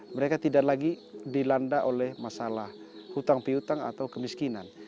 mereka tidak lagi dilanda oleh masalah hutang pihutang atau kemiskinan